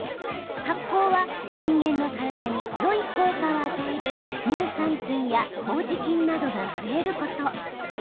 発酵は人間の体によい効果を与える乳酸菌やこうじ菌などが増えること。